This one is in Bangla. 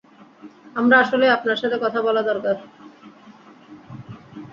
আমার আসলেই আপনার সাথে কথা বলা দরকার।